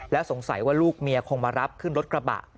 สงสัยว่าลูกเมียคงมารับขึ้นรถกระบะ